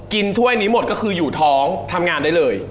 ถ้วยนี้หมดก็คืออยู่ท้องทำงานได้เลย